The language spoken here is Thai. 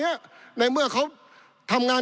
ปี๑เกณฑ์ทหารแสน๒